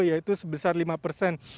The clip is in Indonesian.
yaitu sebesar lima persen